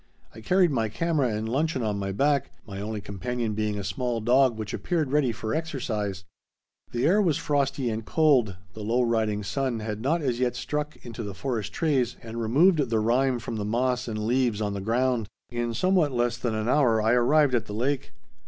I carried my camera and luncheon on my back, my only companion being a small dog which appeared ready for exercise. The air was frosty and cold; the low riding sun had not as yet struck into the forest trees and removed the rime from the moss and leaves on the ground. [Illustration: LAKE LOUISE LOOKING TOWARD CHALET.] In somewhat less than an hour, I arrived at the lake.